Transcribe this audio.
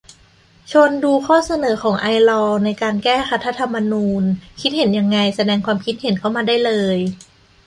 ชวนดูข้อเสนอของไอลอว์ ในการ แก้รัฐธรรมนูญ คิดเห็นยังไง แสดงความคิดเห็นเข้ามาได้เลย